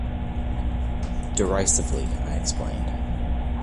"Derisively," I explained.